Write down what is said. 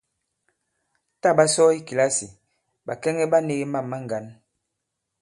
Tǎ ɓa sɔ i kìlasì, ɓàkɛŋɛ ɓa nīgī mâm ma ŋgǎn.